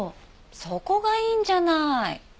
そこがいいんじゃない。